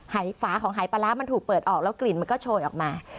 ฝาของหายปลาร้ามันถูกเปิดออกแล้วกลิ่นมันก็โชยออกมา